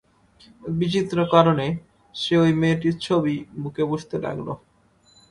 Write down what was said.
বিচিত্র কারণে সে ঐ মেয়েটির ছবি বুকে পুষতে লাগল।